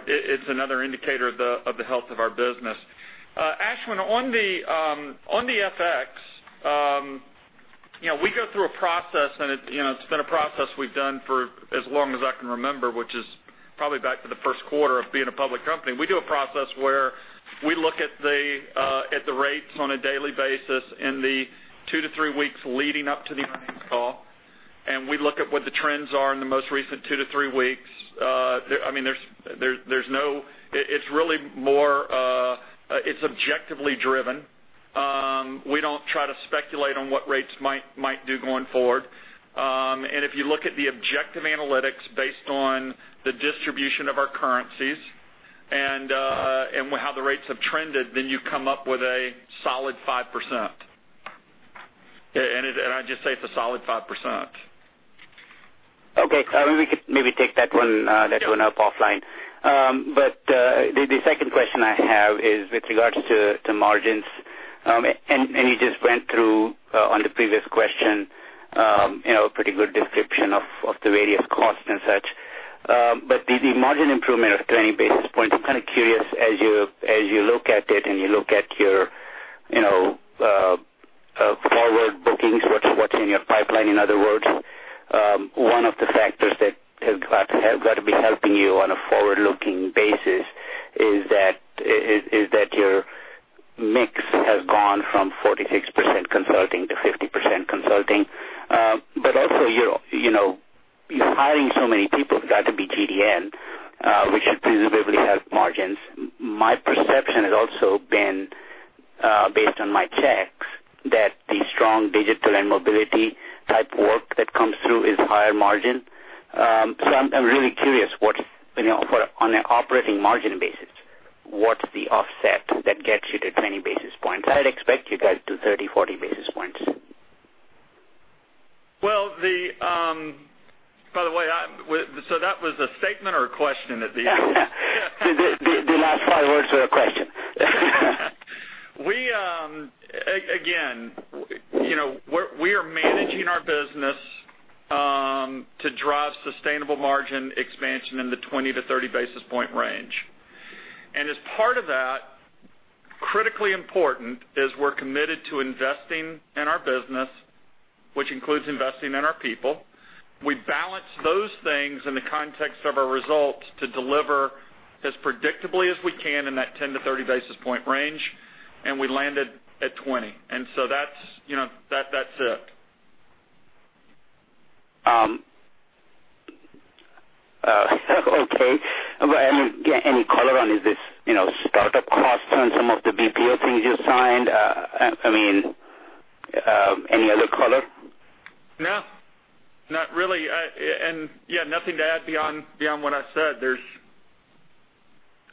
it's another indicator of the health of our business. Ashwin, on the FX, we go through a process, and it's been a process we've done for as long as I can remember, which is probably back to the first quarter of being a public company. We do a process where we look at the rates on a daily basis in the two to three weeks leading up to the earnings call, and we look at what the trends are in the most recent two to three weeks. It's objectively driven. We don't try to speculate on what rates might do going forward. If you look at the objective analytics based on the distribution of our currencies and how the rates have trended, then you come up with a solid 5%. I'd just say it's a solid 5%. Okay. We could maybe take that one up offline. The second question I have is with regards to margins. You just went through, on the previous question, a pretty good description of the various costs and such. The margin improvement of 20 basis points, I'm kind of curious as you look at it and you look at your forward bookings, what's in your pipeline, in other words. One of the factors that has got to be helping you on a forward-looking basis is that your mix has gone from 46% consulting to 50% consulting. Also you're hiring so many people, got to be GDN, which should presumably help margins. My perception has also been, based on my checks, that the strong digital and mobility type work that comes through is higher margin. I'm really curious, on an operating margin basis, what's the offset that gets you to 20 basis points? I'd expect you guys to 30, 40 basis points. By the way, that was a statement or a question at the end? The last five words were a question. Again, we are managing our business to drive sustainable margin expansion in the 20-30 basis point range. As part of that, critically important, is we're committed to investing in our business, which includes investing in our people. We balance those things in the context of our results to deliver as predictably as we can in that 10-30 basis point range, and we landed at 20. That's it. Okay. Any color on, is this startup costs on some of the BPO things you signed? Any other color? No, not really. Yeah, nothing to add beyond what I said.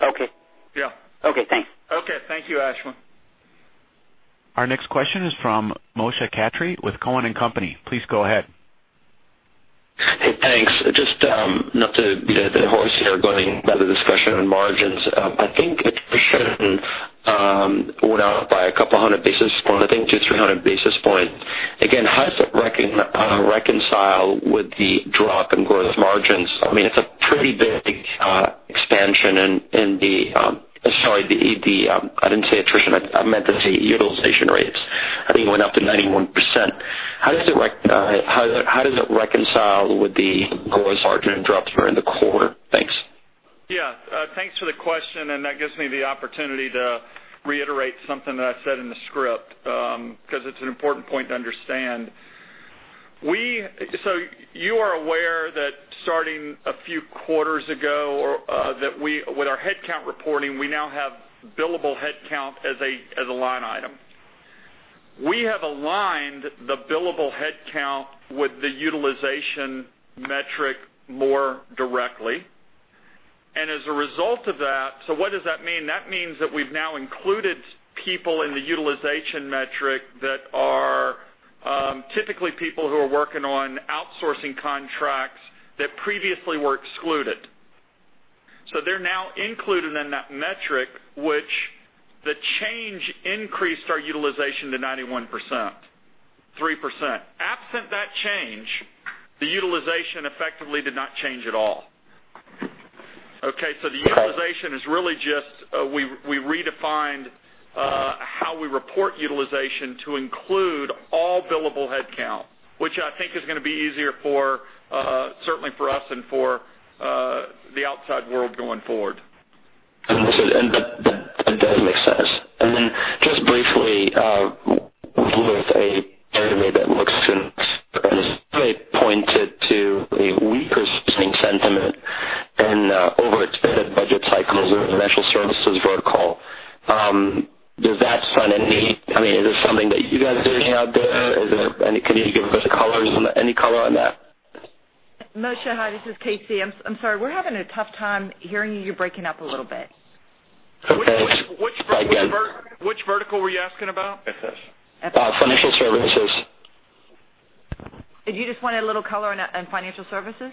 Okay. Yeah. Okay, thanks. Okay. Thank you, Ashwin. Our next question is from Moshe Katri with Cowen and Company. Please go ahead. Hey, thanks. Just not to beat a dead horse here, going by the discussion on margins. I think attrition went up by a couple of hundred basis points, I think 2, 300 basis points. Again, how does it reconcile with the drop in growth margins? Sorry, I didn't say attrition. I meant to say utilization rates. I think it went up to 91%. How does it reconcile with the growth margin drops during the quarter? Thanks. Yeah. Thanks for the question, that gives me the opportunity to reiterate something that I said in the script, because it's an important point to understand. You are aware that starting a few quarters ago, that with our headcount reporting, we now have billable headcount as a line item. We have aligned the billable headcount with the utilization metric more directly. As a result of that, what does that mean? That means that we've now included people in the utilization metric that are typically people who are working on outsourcing contracts that previously were excluded. They're now included in that metric, which the change increased our utilization to 91.3%. Absent that change, the utilization effectively did not change at all. Okay? The utilization is really just, we redefined how we report utilization to include all billable headcount, which I think is going to be easier certainly for us and for the outside world going forward. That does make sense. Then just briefly, with a survey pointed to a weaker spending sentiment and overextended budget cycles in the financial services vertical. Is this something that you guys are hearing out there? Can you give us any color on that? Moshe, hi, this is KC. I'm sorry, we're having a tough time hearing you. You're breaking up a little bit. Okay. Try again. Which vertical were you asking about? Financial services. Did you just want a little color on financial services?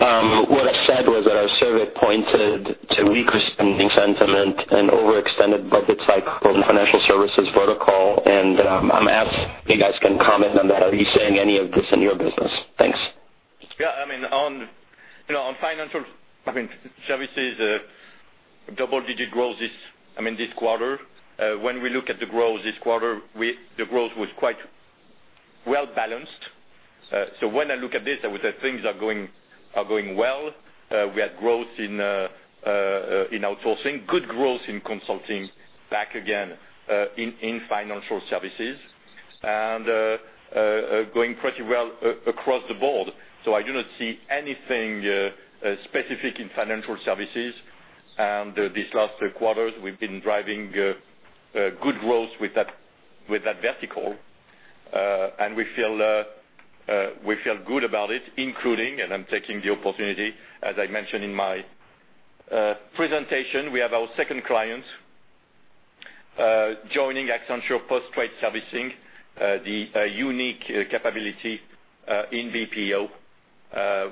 What I said was that our survey pointed to weaker spending sentiment and overextended budget cycle in the financial services vertical, and I'm asking if you guys can comment on that. Are you seeing any of this in your business? Thanks. Yeah, on financial services, double-digit growth this quarter. We look at the growth this quarter, the growth was quite well-balanced. When I look at this, I would say things are going well. We had growth in outsourcing, good growth in consulting, back again in financial services, and going pretty well across the board. I do not see anything specific in financial services. These last quarters, we've been driving good growth with that vertical. We feel good about it, including, and I'm taking the opportunity, as I mentioned in my presentation, we have our second client joining Accenture Post-Trade Processing, the unique capability in BPO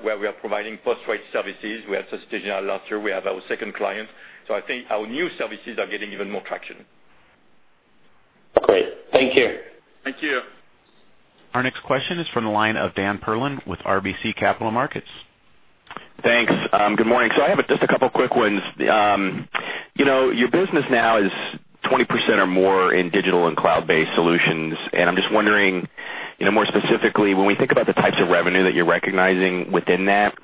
where we are providing post-trade services. We had Societe Generale last year. We have our second client. I think our new services are getting even more traction. Great. Thank you. Thank you. Our next question is from the line of Dan Perlin with RBC Capital Markets. Thanks. Good morning. I have just a couple of quick ones. Your business now is 20% or more in digital and cloud-based solutions, and I'm just wondering, more specifically, when we think about the types of revenue that you're recognizing within that,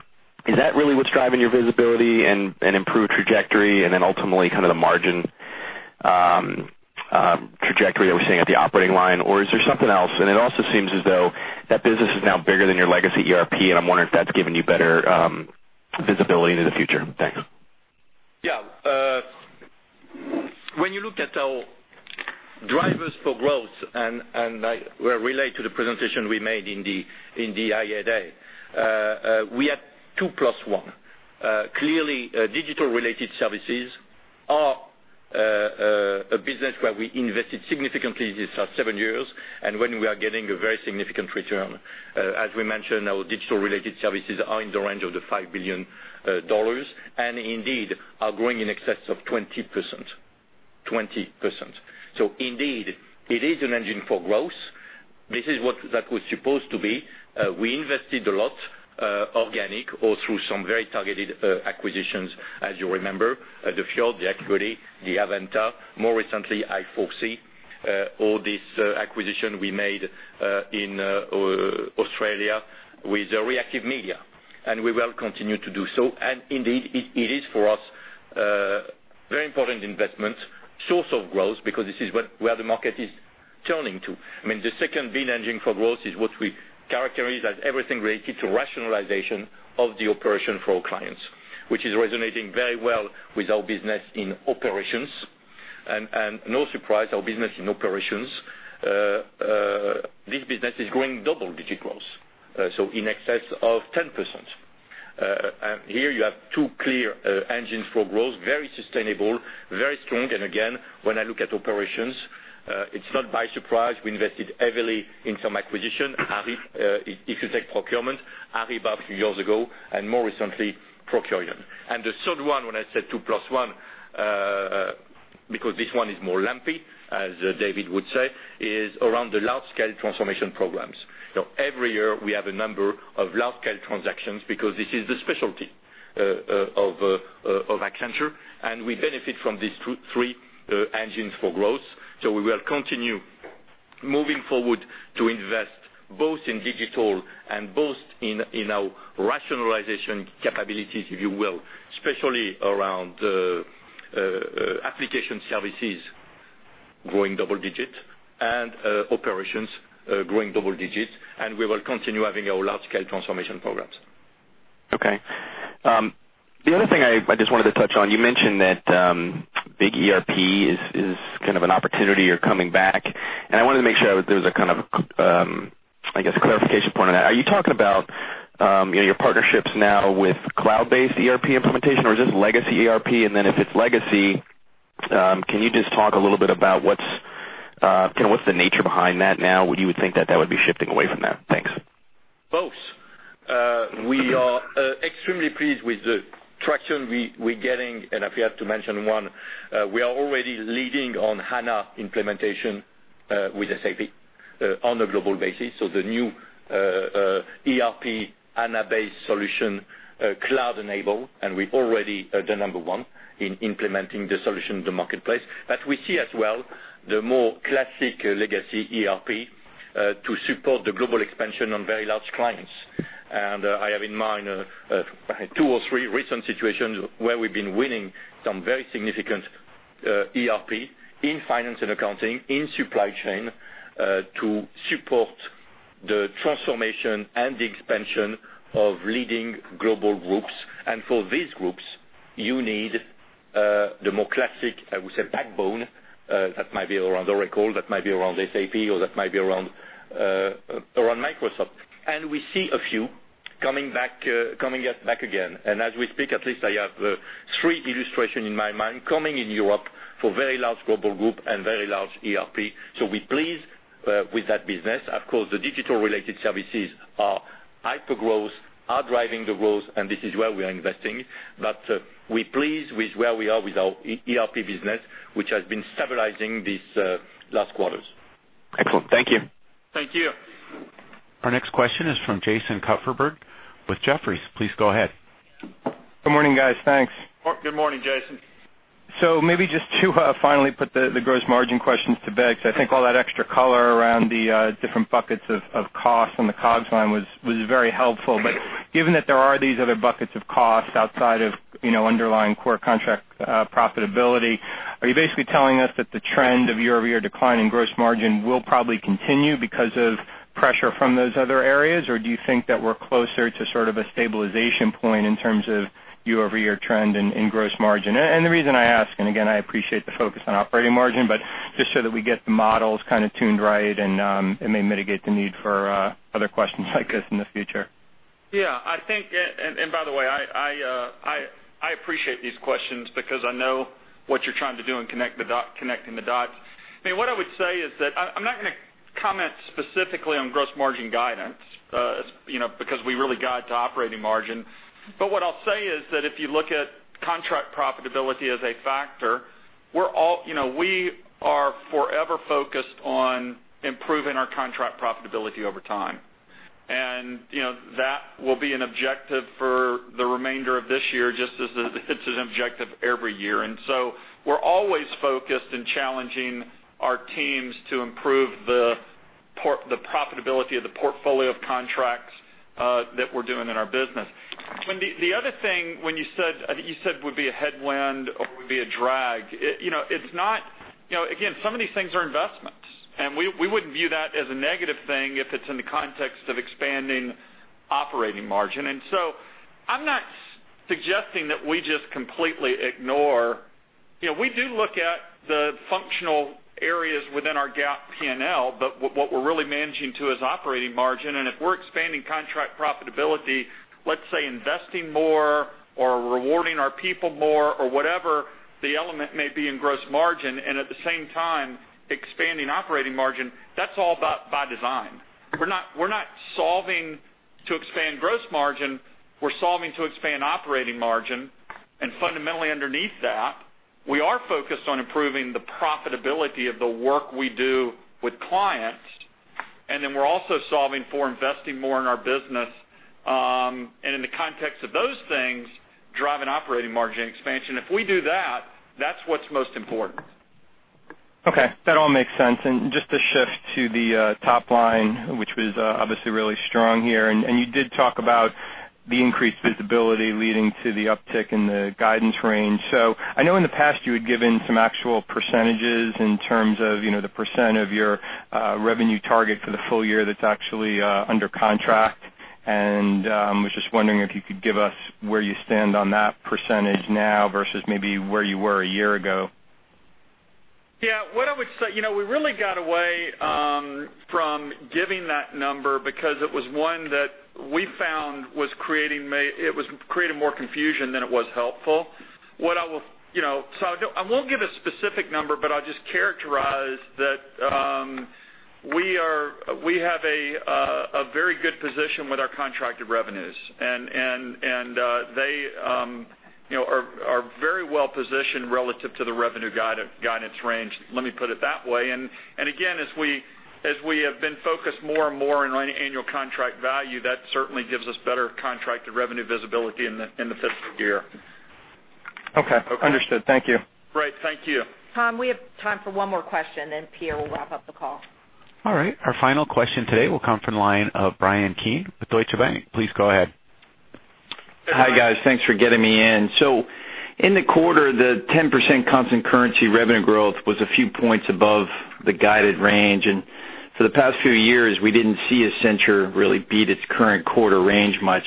is that really what's driving your visibility and improved trajectory, and then ultimately the margin trajectory that we're seeing at the operating line, or is there something else? It also seems as though that business is now bigger than your legacy ERP, and I'm wondering if that's giving you better visibility into the future. Thanks. Yeah. When you look at our drivers for growth, and I will relate to the presentation we made in the IA day, we had two plus one. Clearly, digital related services are a business where we invested significantly these last seven years, and when we are getting a very significant return. As we mentioned, our digital related services are in the range of the $5 billion, and indeed, are growing in excess of 20%. Indeed, it is an engine for growth. This is what that was supposed to be. We invested a lot, organic or through some very targeted acquisitions, as you remember, the Fjord, the Acquity, the avVenta. More recently, i4C Analytics, all this acquisition we made in Australia with Reactive Media, we will continue to do so. Indeed, it is for us a very important investment source of growth because this is where the market is turning to. The second big engine for growth is what we characterize as everything related to rationalization of the operation for our clients, which is resonating very well with our business in Operations. No surprise, our business in Operations, this business is growing double-digit growth, so in excess of 10%. Here you have two clear engines for growth, very sustainable, very strong. Again, when I look at Operations, it's not by surprise we invested heavily in some acquisition. If you take procurement, Ariba a few years ago, and more recently, Procurian. The third one, when I said two plus one, because this one is more lumpy, as David would say, is around the large-scale transformation programs. Every year, we have a number of large-scale transactions because this is the specialty of Accenture, and we benefit from these three engines for growth. We will continue moving forward to invest both in digital and both in our rationalization capabilities, if you will, especially around application services growing double digits and Operations growing double digits. We will continue having our large-scale transformation programs. Okay. The other thing I just wanted to touch on, you mentioned that big ERP is kind of an opportunity you're coming back, and I wanted to make sure there's a kind of, I guess, clarification point on that. Are you talking about your partnerships now with cloud-based ERP implementation, or is this legacy ERP? Then if it's legacy, can you just talk a little bit about what's the nature behind that now? Would you think that that would be shifting away from that? Thanks. Both. We are extremely pleased with the traction we're getting, if we have to mention one, we are already leading on HANA implementation with SAP on a global basis. The new ERP HANA-based solution, cloud-enabled, and we're already the number one in implementing the solution in the marketplace. We see as well the more classic legacy ERP to support the global expansion on very large clients. I have in mind two or three recent situations where we've been winning some very significant ERP in finance and accounting, in supply chain, to support the transformation and the expansion of leading global groups. For these groups, you need the more classic, I would say, backbone that might be around Oracle, that might be around SAP, or that might be around Microsoft. We see a few coming back again. As we speak, at least I have three illustration in my mind coming in Europe for very large global group and very large ERP. We're pleased with that business. Of course, the digital related services are hyper-growth, are driving the growth, and this is where we are investing. We're pleased with where we are with our ERP business, which has been stabilizing these last quarters. Excellent. Thank you. Thank you. Our next question is from Jason Kupferberg with Jefferies. Please go ahead. Good morning, guys. Thanks. Good morning, Jason. Maybe just to finally put the gross margin questions to bed, because I think all that extra color around the different buckets of costs on the COGS line was very helpful. Given that there are these other buckets of costs outside of underlying core contract profitability, are you basically telling us that the trend of year-over-year decline in gross margin will probably continue because of pressure from those other areas? Do you think that we're closer to sort of a stabilization point in terms of year-over-year trend in gross margin? The reason I ask, and again, I appreciate the focus on operating margin, but just so that we get the models kind of tuned right, and it may mitigate the need for other questions like this in the future. Yeah, I think, by the way, I appreciate these questions because I know what you're trying to do in connecting the dots. What I would say is that I'm not going to comment specifically on gross margin guidance because we really guide to operating margin. What I'll say is that if you look at contract profitability as a factor We are forever focused on improving our contract profitability over time. That will be an objective for the remainder of this year, just as it's an objective every year. We're always focused and challenging our teams to improve the profitability of the portfolio of contracts that we're doing in our business. The other thing, I think you said would be a headwind or would be a drag. Again, some of these things are investments, and we wouldn't view that as a negative thing if it's in the context of expanding operating margin. I'm not suggesting that we just completely ignore. We do look at the functional areas within our GAAP P&L, but what we're really managing to is operating margin, and if we're expanding contract profitability, let's say investing more or rewarding our people more or whatever the element may be in gross margin, and at the same time expanding operating margin, that's all by design. We're not solving to expand gross margin. We're solving to expand operating margin. Fundamentally underneath that, we are focused on improving the profitability of the work we do with clients. Then we're also solving for investing more in our business, and in the context of those things, driving operating margin expansion. If we do that's what's most important. Okay. That all makes sense. Just to shift to the top line, which was obviously really strong here. You did talk about the increased visibility leading to the uptick in the guidance range. I know in the past you had given some actual percentages in terms of the percent of your revenue target for the full year that's actually under contract, and I was just wondering if you could give us where you stand on that percentage now versus maybe where you were a year ago. Yeah. We really got away from giving that number because it was one that we found it was creating more confusion than it was helpful. I won't give a specific number, but I'll just characterize that we have a very good position with our contracted revenues. They are very well-positioned relative to the revenue guidance range, let me put it that way. Again, as we have been focused more and more on annual contract value, that certainly gives us better contracted revenue visibility in the fiscal year. Okay. Understood. Thank you. Great. Thank you. Tom, we have time for one more question, Pierre will wrap up the call. Our final question today will come from the line of Bryan Keane with Deutsche Bank. Please go ahead. Hi, guys. Thanks for getting me in. In the quarter, the 10% constant currency revenue growth was a few points above the guided range, and for the past few years, we did not see Accenture really beat its current quarter range much.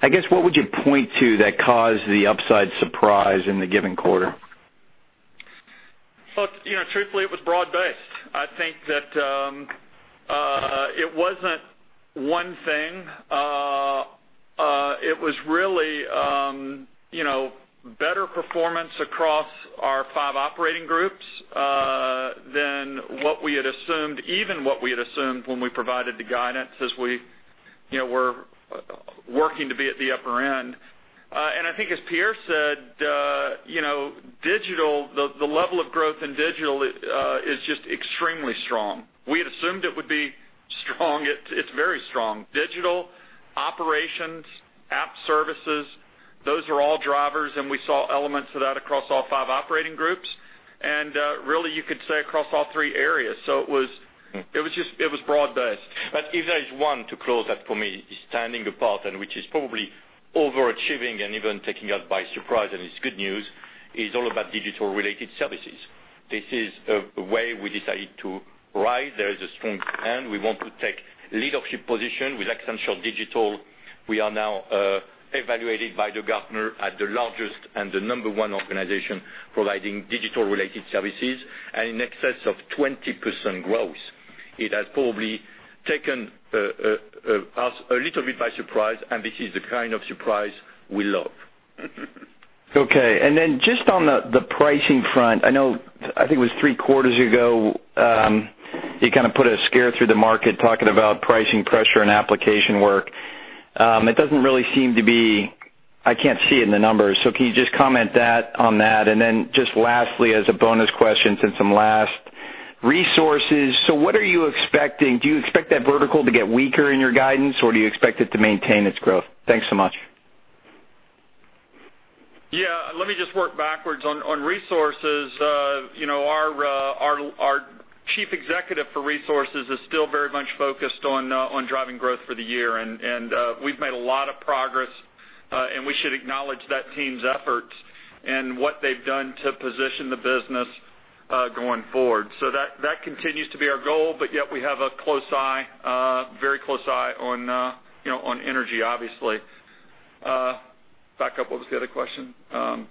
I guess, what would you point to that caused the upside surprise in the given quarter? Truthfully, it was broad-based. I think that it was not one thing. It was really better performance across our five operating groups than what we had assumed, even what we had assumed when we provided the guidance as we were working to be at the upper end. I think as Pierre said, the level of growth in digital is just extremely strong. We had assumed it would be strong. It is very strong. Digital operations, app services, those are all drivers, and we saw elements of that across all five operating groups, and really, you could say across all three areas. It was broad-based. If there is one to close that for me is standing apart and which is probably overachieving and even taking us by surprise, and it's good news, is all about digital related services. This is a way we decided to rise. There is a strong plan. We want to take leadership position with Accenture Digital. We are now evaluated by Gartner at the largest and the number one organization providing digital related services and in excess of 20% growth. It has probably taken us a little bit by surprise, and this is the kind of surprise we love. Okay. Just on the pricing front, I think it was three quarters ago, you kind of put a scare through the market talking about pricing pressure and application work. I can't see it in the numbers. Can you just comment on that? Just lastly, as a bonus question since I'm last, resources. What are you expecting? Do you expect that vertical to get weaker in your guidance, or do you expect it to maintain its growth? Thanks so much. Yeah. Let me just work backwards. On resources, our chief executive for resources is still very much focused on driving growth for the year, and we've made a lot of progress, and we should acknowledge that team's efforts and what they've done to position the business going forward. That continues to be our goal, but yet we have a very close eye on energy, obviously. Back up, what was the other question? Pricing.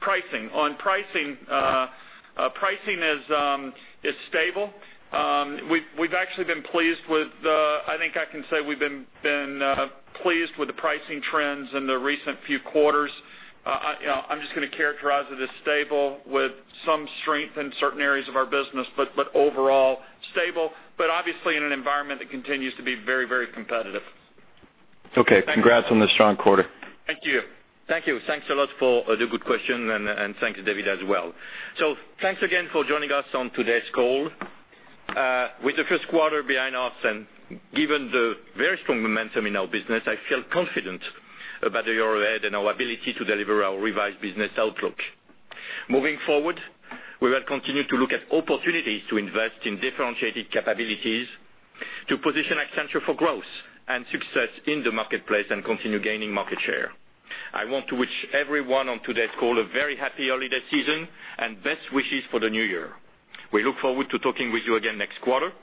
Pricing. On pricing is stable. I think I can say we've been pleased with the pricing trends in the recent few quarters. I'm just going to characterize it as stable with some strength in certain areas of our business, but overall stable, but obviously in an environment that continues to be very, very competitive. Okay. Congrats on the strong quarter. Thank you. Thanks a lot for the good question, and thanks, David, as well. Thanks again for joining us on today's call. With the first quarter behind us and given the very strong momentum in our business, I feel confident about the year ahead and our ability to deliver our revised business outlook. Moving forward, we will continue to look at opportunities to invest in differentiated capabilities to position Accenture for growth and success in the marketplace and continue gaining market share. I want to wish everyone on today's call a very happy holiday season and best wishes for the new year. We look forward to talking with you again next quarter.